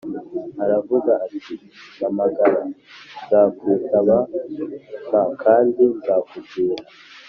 aravuga ati mpamagara nzakwitaba m kandi nzakubwira